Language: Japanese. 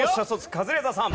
カズレーザーさん